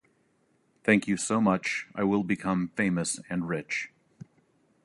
Thank you so much, I will become famous and rich.